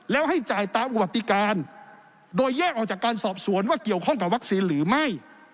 แล้วให้จ่ายตามอุบัติเหตุการโดยแยกออกจากการสอบสวนว่าเกี่ยวข้องกับวัคซีนหรือไม่